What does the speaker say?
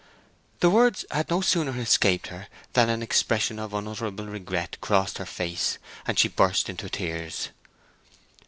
The words had no sooner escaped her than an expression of unutterable regret crossed her face, and she burst into tears.